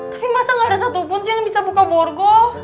tapi masa gak ada satupun sih yang bisa buka borgo